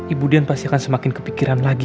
ibu dian pasti akan semakin kepikiran lagi